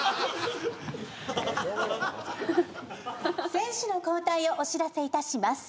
選手の交代をお知らせいたします。